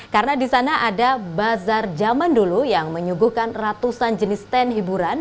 karena di sana ada bazar zaman dulu yang menyuguhkan ratusan jenis stand hiburan